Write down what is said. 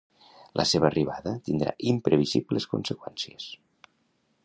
La seva arribada tindrà imprevisibles conseqüències.